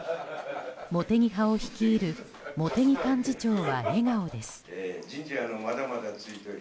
茂木派を率いる茂木幹事長は笑顔です。